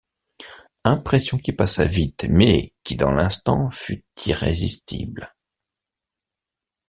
Impression qui passa vite, mais qui dans l’instant fut irrésistible.